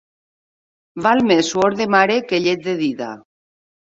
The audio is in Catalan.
Val més suor de mare que llet de dida.